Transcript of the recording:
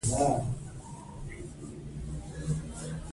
سردارو له ملالۍ سره جنګ نه کاوه.